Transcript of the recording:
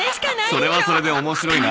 それはそれで面白いなおい。